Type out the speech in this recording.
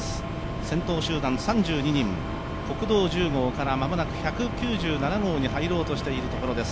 先頭集団３２人、国道１０号からまもなく１９７号に入ろうとしているところです。